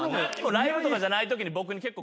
ライブとかじゃないときに僕に結構。